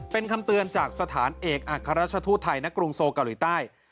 เป็นคำเตือนจากสถานเอกอัครราชทูตไทยณกรุงโซเกาหลีใต้